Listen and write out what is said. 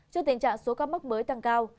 trước tình trạng số ca mắc mới tăng cao